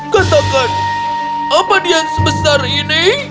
katakan apa dia sebesar ini